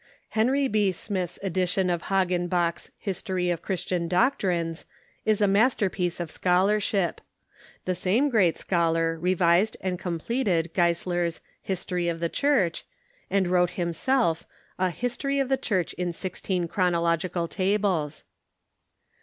Henry B. Smith's edition of Hagenbach's " History of Christian Doctrines " is a masterpiece of scholarship. The same great scholar re vised and completed Gieseler's " History of the Church," and wrote himself a " History of the Church in Sixteen Chrono logical Tables."